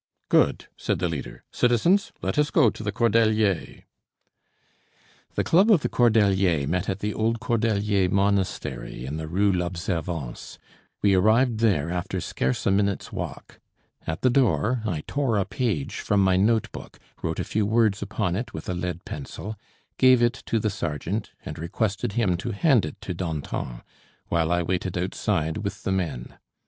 "Good," said the leader. "Citizens, let us go to the Cordeliers." The club of the Cordeliers met at the old Cordelier monastery in the Rue l'Observance. We arrived there after scarce a minute's walk. At the door I tore a page from my note book, wrote a few words upon it with a lead pencil, gave it to the sergeant, and requested him to hand it to Danton, while I waited outside with the men.